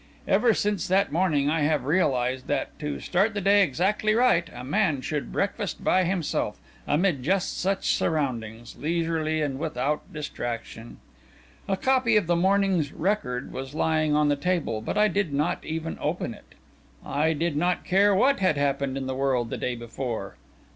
Ever since that morning, I have realised that, to start the day exactly right, a man should breakfast by himself, amid just such surroundings, leisurely and without distraction. A copy of the morning's Record was lying on the table, but I did not even open it. I did not care what had happened in the world the day before!